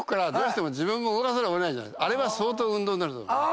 あれは相当運動になると思う。